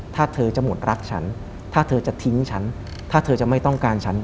ถ้าเธอจะหมดรักฉันถ้าเธอจะทิ้งฉันถ้าเธอจะไม่ต้องการฉัน